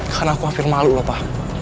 karena aku hampir malu loh pak